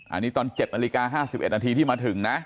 อันนี้ตอน๗นาฬิกา๕๑นาทีที่มาถึงนะ